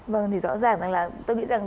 vâng thì rõ ràng là tôi nghĩ rằng